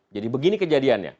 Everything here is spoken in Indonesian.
jadi begini kejadiannya